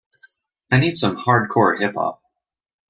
I need some Hardcore Hip Hop